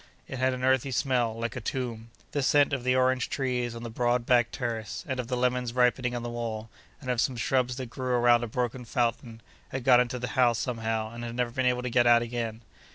—it had an earthy smell, like a tomb. The scent of the orange trees on the broad back terrace, and of the lemons ripening on the wall, and of some shrubs that grew around a broken fountain, had got into the house somehow, and had never been able to get out again.